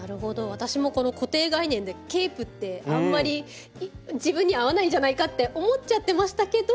私も固定概念でケープってあんまり自分に合わないんじゃないかって思っちゃってましたけど。